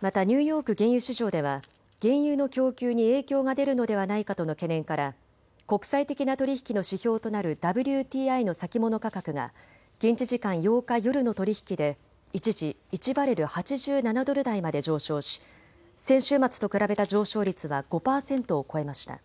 またニューヨーク原油市場では原油の供給に影響が出るのではないかとの懸念から国際的な取り引きの指標となるＷＴＩの先物価格が現地時間８日夜の取り引きで一時、１バレル８７ドル台まで上昇し先週末と比べた上昇率は５％を超えました。